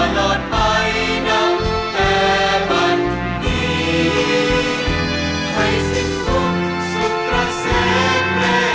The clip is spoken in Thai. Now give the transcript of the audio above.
ขอบความจากฝ่าให้บรรดาดวงคันสุขสิทธิ์